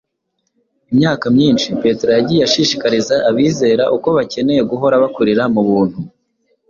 Imyaka myinshi Petero yagiye ashishikariza abizera uko bakeneye guhora bakurira mu buntu